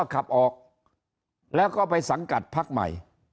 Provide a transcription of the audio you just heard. ขับออกแล้วก็ไปสังกัดพักใหม่